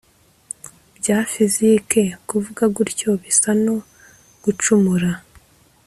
bya fizike kuvuga gutyo bisa no gucumura